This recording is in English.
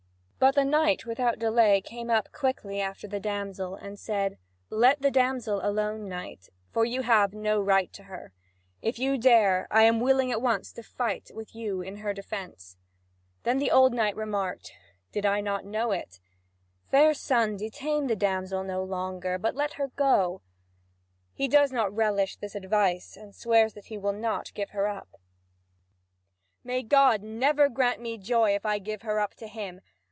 But the knight without delay came up quickly after the damsel, and said: "Let the damsel alone, knight, for you have no right to her! If you dare, I am willing at once to fight with you in her defence." Then the old knight remarked: "Did I not know it? Fair son, detain the damsel no longer, but let her go." He does not relish this advice, and swears that he will not give her up: "May God never grant me joy if I give her up to him!